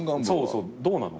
そうそう。